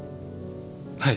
はい。